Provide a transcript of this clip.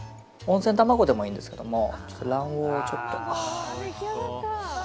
温泉卵でもいいんですけど卵黄をちょっと。